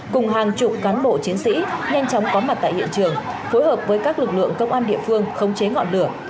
cùng hàng chục cán bộ chiến sĩ nhanh chóng có mặt tại hiện trường phối hợp với các lực lượng công an địa phương khống chế ngọn lửa